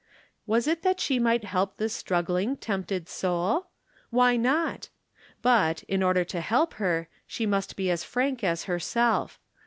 Was it that she might help this struggling, tempted soul? Why not? But, in order to help her, she must be as frank as herself.